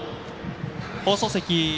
放送席。